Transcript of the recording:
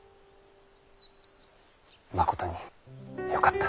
まことによかった。